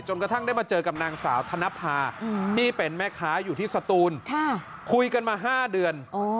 กระทั่งได้มาเจอกับนางสาวธนภาที่เป็นแม่ค้าอยู่ที่สตูนคุยกันมา๕เดือน